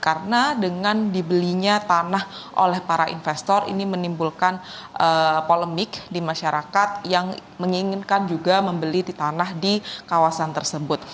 karena dengan dibelinya tanah oleh para investor ini menimbulkan polemik di masyarakat yang menginginkan juga membeli tanah di kawasan tersebut